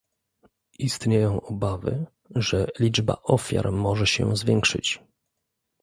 Istnieją obawy, że liczba ofiar może się zwiększyć